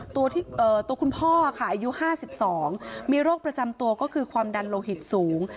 ตัวที่เอ่อตัวคุณพ่อค่ะอายุห้าสิบสองมีโรคประจำตัวก็คือความดันโลหิตสูง